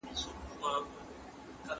شخصي ګټې شاته پرېږدئ.